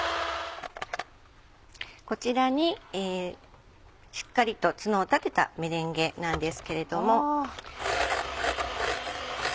こちらにしっかりとツノを立てたメレンゲなんですけれども。